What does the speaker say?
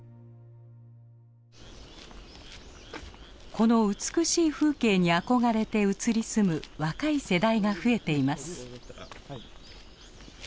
この美しい風景に憧れて移り住む若い世代が増えています。